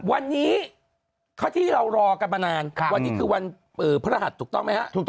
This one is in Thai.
วันนี้เท่าที่เรารอกันมานานวันนี้คือวันพระรหัสถูกต้องไหมฮะ